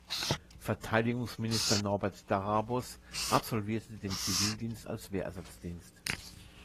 Verteidigungsminister Norbert Darabos absolvierte den Zivildienst als Wehrersatzdienst.